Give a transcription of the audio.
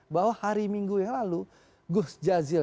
bahwa hari minggu yang lalu gus jazil